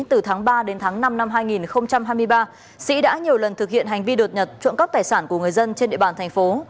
từ tháng ba đến tháng năm năm hai nghìn hai mươi ba sĩ đã nhiều lần thực hiện hành vi đột nhập trộm cắp tài sản của người dân trên địa bàn thành phố